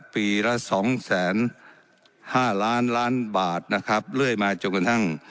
ปีละ๒๕๐๐๐๐๐บาทเรื่อยมาจนกระทั่ง